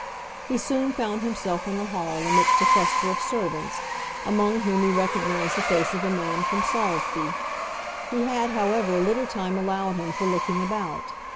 He soon found himself in the hall amidst a cluster of servants, among whom he recognised the face of a man from Saulsby. He had, however, little time allowed him for looking about.